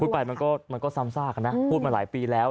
ไปมันก็ซ้ำซากนะพูดมาหลายปีแล้ว